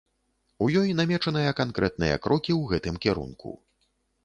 У ёй намечаныя канкрэтныя крокі ў гэтым кірунку.